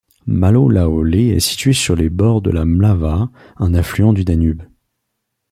Malo Laole est situé sur les bords de la Mlava, un affluent du Danube.